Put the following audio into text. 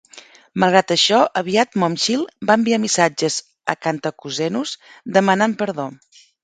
Malgrat això, aviat Momchil va enviar missatges a Kantakouzenos demanant perdó.